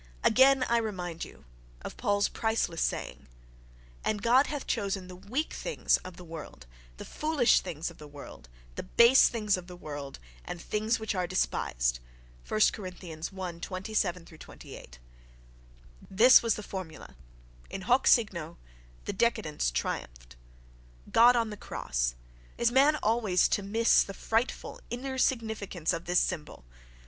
Again I remind you of Paul's priceless saying: "And God hath chosen the weak things of the world, the foolish things of the world, the base things of the world, and things which are despised": this was the formula; in hoc signo the décadence triumphed.—God on the cross—is man always to miss the frightful inner significance of this symbol?